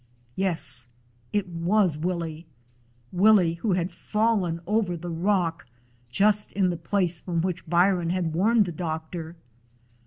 Yes, it was Willie! Willie, who had fallen over the rock, just in the place from which Byron had warned the doctor.